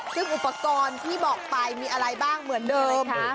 ซึ่งอุปกรณ์ที่บอกไปมีอะไรบ้างเหมือนเดิม